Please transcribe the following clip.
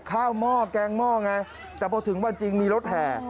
หม้อแกงหม้อไงแต่พอถึงวันจริงมีรถแห่